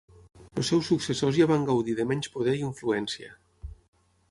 Els seus successors ja van gaudir de menys poder i influència.